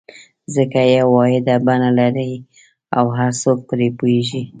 ځکه یوه واحده بڼه لري او هر څوک پرې پوهېږي.